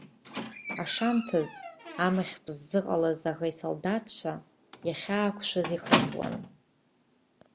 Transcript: Ашамҭаз амыхьтә ззыҟалаз аӷа исолдаҭцәа иахьаақәшәаз ихысуан.